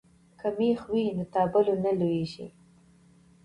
که مېخ وي نو تابلو نه لویږي.